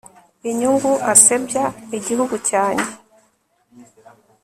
inyungu, asebya igihugu cyanjye